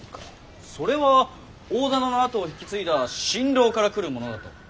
それは大店の後を引き継いだ心労からくるものだと。